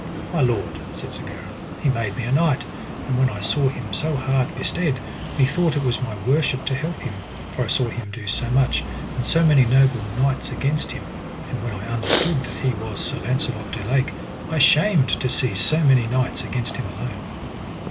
My lord, said Sir Gareth, he made me a knight, and when I saw him so hard bestead, methought it was my worship to help him, for I saw him do so much, and so many noble knights against him; and when I understood that he was Sir Launcelot du Lake, I shamed to see so many knights against him alone.